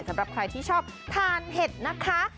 สำหรับใครที่ชอบทานเห็ดนะคะ